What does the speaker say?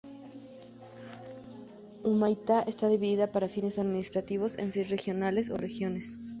Humaitá está dividida para fines administrativos en seis regionales o regiones.